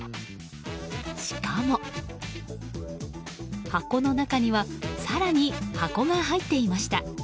しかも、箱の中には更に箱が入っていました。